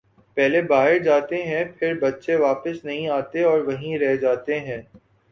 پہلے باہر جا تے ہیں پھر بچے واپس نہیں آتے اور وہیں رہ جاتے ہیں